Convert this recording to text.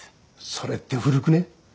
それって古くね？